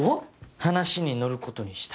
話に乗ることにした。